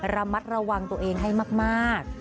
ระมัดระวังตัวเองให้มาก